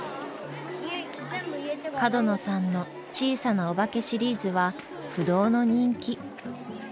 角野さんの「小さなおばけ」シリーズは不動の人気。